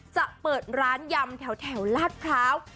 จะเปิดร้านยำแถวลาดพร้าว